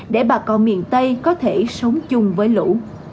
để bà con miền tây có thể sống chung với lũ